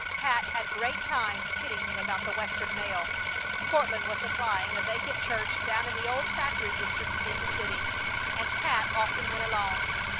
Pat had great times kidding him about the Western mail. Courtland was supplying a vacant church down in the old factory district in the city, and Pat often went along.